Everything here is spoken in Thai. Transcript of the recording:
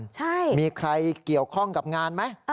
ใช่มีใครเกี่ยวข้องกับงานไหม